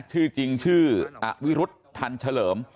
ชื่อจริงชื่ออวิรุธทันเฉลิม